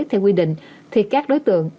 theo quy định thì các đối tượng